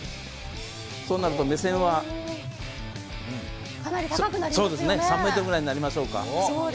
そうなると、目線は３ｍぐらいになりましょうか。